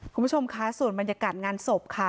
คุณผู้ชมคะส่วนบรรยากาศงานศพค่ะ